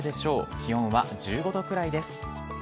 気温は１５度くらいです。